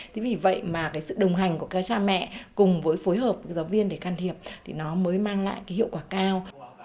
thế vì vậy mà cái sự đồng hành của các cha mẹ cùng với phối hợp với giáo viên để can thiệp thì nó mới mang lại cái hiệu quả cao